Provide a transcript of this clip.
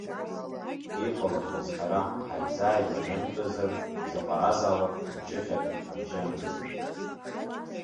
Иҟалақәаз ҳара ҳаизааигәанамтәызар, изаҟаразаалак гәынҷыхьак ҳабжьанамҵеит.